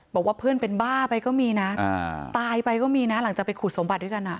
บอกว่าเพื่อนเป็นบ้าไปก็มีนะตายไปก็มีนะหลังจากไปขุดสมบัติด้วยกันอ่ะ